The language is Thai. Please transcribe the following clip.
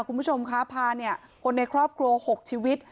คุณผู้ชมคะพาเนี่ยคนในครอบครัว๖ชีวิต